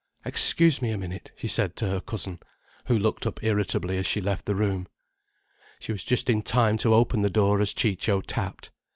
"Excuse me a minute," she said to her cousin, who looked up irritably as she left the room. She was just in time to open the door as Ciccio tapped.